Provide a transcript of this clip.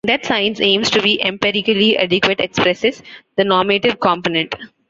That science aims to be empirically adequate expresses the normative component.